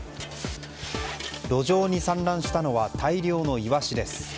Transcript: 路上に散乱したのは大量のイワシです。